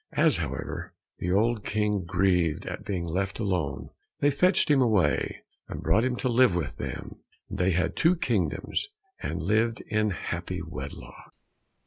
As, however, the old King grieved at being left alone, they fetched him away, and brought him to live with them, and they had two kingdoms, and lived in happy wedlock.